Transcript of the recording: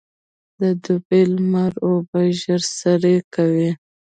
د دوبي لمر اوبه ژر سرې کوي.